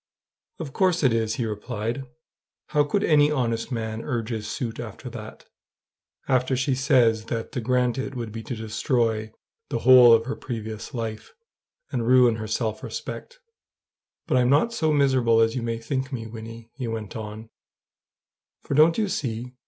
"Of course it is," he replied. "How could any honest man urge his suit after that, after she says that to grant it would be to destroy the whole of her previous life, and ruin her self respect? But I'm not so miserable as you may think me, Wynnie," he went on; "for don't you see?